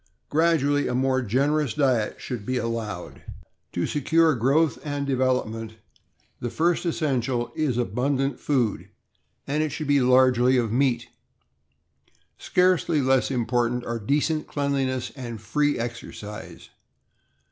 Grad ually a more generous diet should be allowed. To secure 524 THE AMERICAN BOOK OF THE DOG. growth and development, the first essential is abundant food, and it should be largely of meat. Scarcely less im portant are decent cleanliness and free exercise.